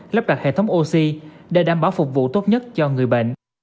lắp đặt hệ thống oxy để đảm bảo phục vụ tốt nhất cho người bệnh